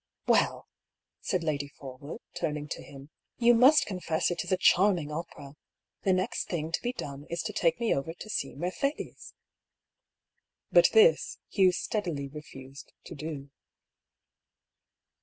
"Well," said Lady Forwood, turning to him, "you must confess it is a charming opera !' The next thing to be done is to take me over to see Mercedes." But this Hugh steadily to refused do.